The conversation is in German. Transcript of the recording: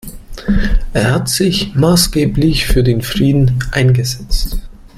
Er hat sich maßgeblich für den Frieden eingesetzt.